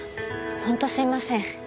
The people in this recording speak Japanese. ほんとすみません